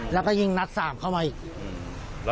แล้วก็ยิงนัด๓เข้ามาอีก